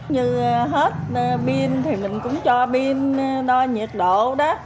như hết pin thì mình cũng cho pin đo nhiệt độ đó